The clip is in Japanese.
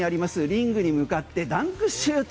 リングに向かってダンクシュート。